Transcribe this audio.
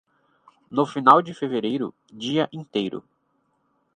No final de fevereiro, dia inteiro.